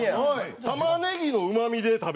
玉ねぎのうまみで食べる。